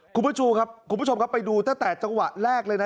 คุณผู้ชมครับไปดูตั้งแต่จังหวะแรกเลยนะ